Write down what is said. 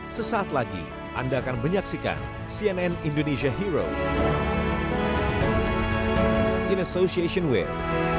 sesaat lagi anda akan menyaksikan cnn indonesia hero in association with